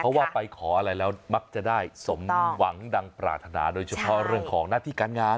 เพราะว่าไปขออะไรแล้วมักจะได้สมหวังดังปรารถนาโดยเฉพาะเรื่องของหน้าที่การงาน